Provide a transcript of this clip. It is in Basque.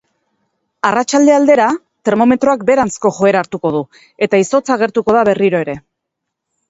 Arratsalde aldera termometroak beheranzko joera hartuko du eta izotza agertuko da berriro ere.